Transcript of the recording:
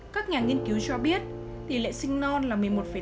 các nhà nghiên cứu cho biết tỷ lệ sinh non là một mươi một năm